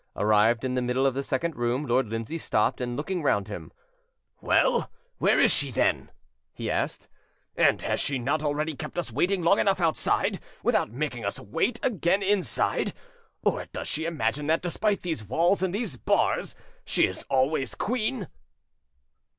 Arrived in the middle of the second room, Lord Lindsay stopped, and, looking round him— "Well, where is she, then?" he asked; "and has she not already kept us waiting long enough outside, without making us wait again inside? Or does she imagine that, despite these walls and these bars, she is always queen?"